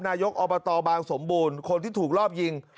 นายกอบตบางสมบูรณ์คนที่ถูกรอบยิง